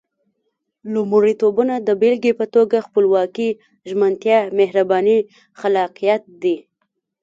لومړيتوبونه د بېلګې په توګه خپلواکي، ژمنتيا، مهرباني، خلاقيت دي.